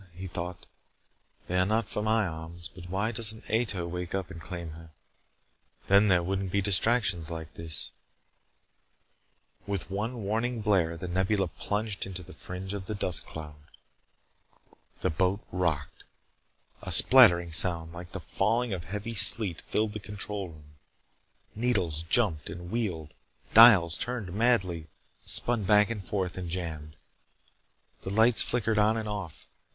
he thought. "They are not for my arms, but why doesn't Ato wake up and claim her? Then there wouldn't be distractions like this " With one warning blare, The Nebula plunged into the fringe of the dust cloud. The boat rocked. A spattering sound like the falling of heavy sleet filled the control room. Needles jumped and wheeled. Dials turned madly, spun back and forth, and jammed. The lights flickered on and off.